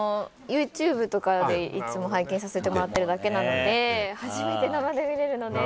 ＹｏｕＴｕｂｅとかでいつも拝見させてもらってるだけなので初めて生で見れるので。